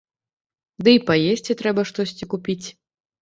Дый паесці трэба штосьці купіць.